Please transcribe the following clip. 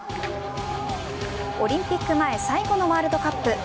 オリンピック前最後のワールドカップ。